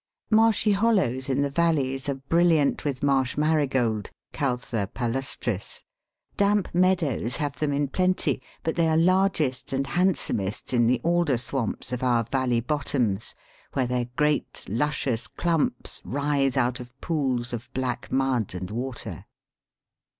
Marshy hollows in the valleys are brilliant with Marsh Marigold (Caltha palustris); damp meadows have them in plenty, but they are largest and handsomest in the alder swamps of our valley bottoms, where their great luscious clumps rise out of pools of black mud and water.